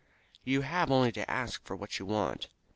"You have only to ask for what you want."